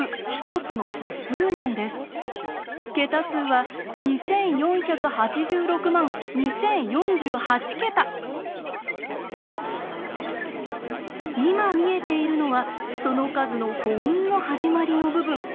桁数は今見えているのはその数のほんの始まりの部分。